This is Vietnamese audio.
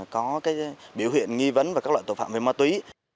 có biểu hiện nghi vấn và các loại tội phạm về ma túy